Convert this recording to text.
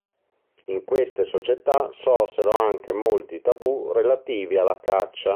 In queste società sorsero anche molti tabù relativi alla caccia.